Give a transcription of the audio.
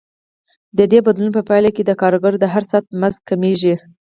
د دې بدلون په پایله کې د کارګر د هر ساعت مزد کمېږي